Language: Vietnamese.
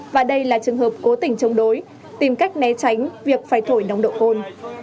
và đây là trường hợp cố tình chống đối tìm cách né tránh việc phải thổi nồng độ cồn